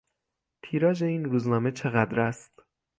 تیراژ این روزنامه چقدر است؟